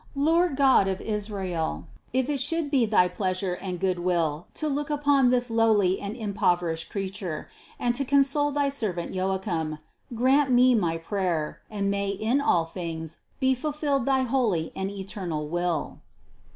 Lord God of Israel, if it should be thy pleasure and good will to look upon this lowly and im poverished creature, and to console thy servant Joachim, grant me my prayer and may in all things be fulfilled thy holy and eternal will."